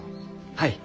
はい。